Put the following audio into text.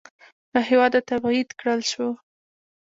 له هېواده تبعید کړل شو.